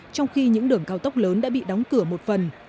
trong khi những đường cao tốc lớn đã bị đóng cửa một phần